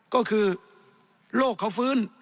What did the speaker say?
ก็คือโรคเขาฟื้น